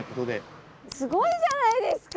すごいじゃないですか！